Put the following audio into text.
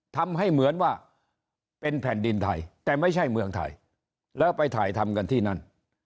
ทำให้เหมือนว่าเป็นแผ่นดินไทยแต่ไม่ใช่เมืองไทยแล้วไปถ่ายทำกันที่นั่น